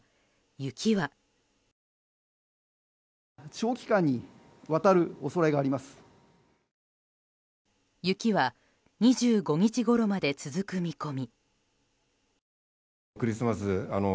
雪は２５日ごろまで続く見込み。